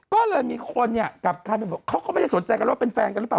ก็เลยมีคนเนี่ยกลับกลายเป็นบอกเขาก็ไม่ได้สนใจกันว่าเป็นแฟนกันหรือเปล่า